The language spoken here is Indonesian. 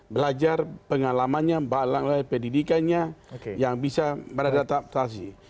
belajar pengalamannya pendidikannya yang bisa beradaptasi